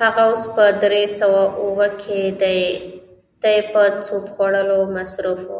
هغه اوس په درې سوه اووه کې دی، دی په سوپ خوړلو مصروف و.